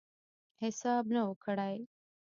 حساب نه وو کړی.